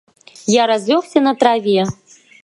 Я разлёгся на траве.